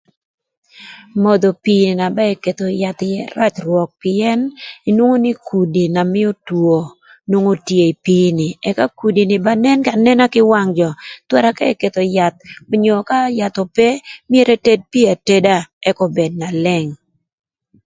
Modho pii na ba eketho yath ïë rac rwök pïën inwongo nï kudi na mïö two nwongo tye ï pii ni ëka kudi ba nen anena kï wang jö thwara ka eketho yath, onyo ka yath ope, myero eted pii ateda ëk obed na leng.